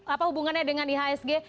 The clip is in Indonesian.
apa hubungannya dengan ihsg